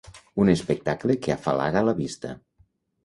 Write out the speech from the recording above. Un espectacle que afalaga la vista.